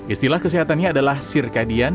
istilah kesehatannya adalah sirkadian